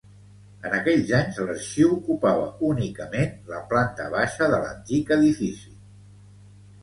En aquells anys l'Arxiu ocupava únicament la planta baixa de l'antic edifici.